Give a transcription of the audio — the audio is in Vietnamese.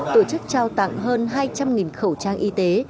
tổ chức trao tặng hơn hai trăm linh khẩu trang y tế